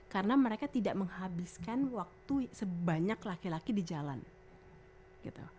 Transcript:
karena mereka tidak menghabiskan waktu sebanyak laki laki di jalan gitu